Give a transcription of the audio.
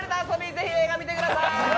ぜひ、映画見てください。